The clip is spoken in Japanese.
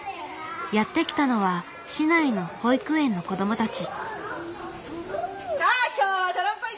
やって来たのは市内の保育園の子どもたち。